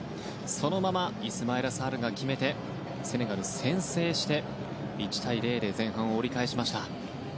そのままイスマイラ・サールが決めてセネガル先制して１対０で前半を折り返しました。